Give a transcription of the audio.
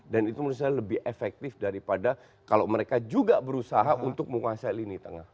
dan itu menurut saya lebih efektif daripada kalau mereka juga berusaha untuk menguasai lini tengah